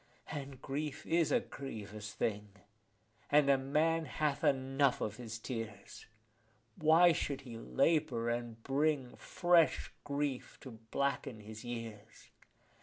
And grief is a grievous thing, and a man hath enough of his tears: Why should he labour, and bring fresh grief to blacken his years?